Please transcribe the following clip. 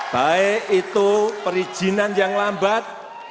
baik itu perizinan yang lambat